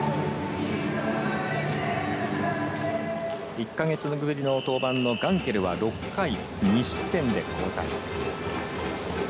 １か月ぶりの登板のガンケルは６回２失点で交代。